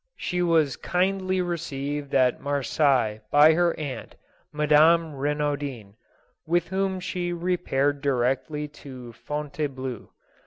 She was kindly received at Marseilles by her aunt, Madame Eenaudin, with whom she repaired directly to Fontainebleau.